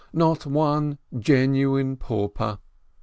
Not one genuine pauper!